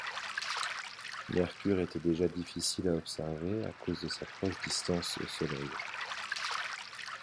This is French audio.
Mercure était déjà difficile à observer, à cause de sa proche distance au Soleil.